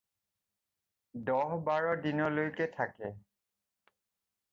দহ বাৰদিনলৈকে থাকে।